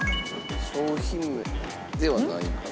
商品名ではないのかな？